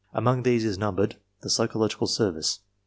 Among these is numbered the psychological service.